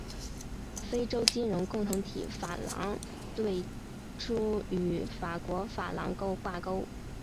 非洲金融共同体法郎最初与法国法郎挂钩。